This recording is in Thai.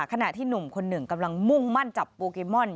ขณะที่หนุ่มคนหนึ่งกำลังมุ่งมั่นจับโปเกมอน